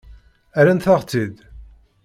Rrant-aɣ-tt-id.